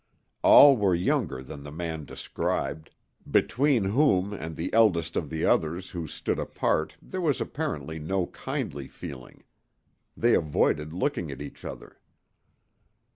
All were younger than the man described, between whom and the eldest of the others, who stood apart, there was apparently no kindly feeling. They avoided looking at each other.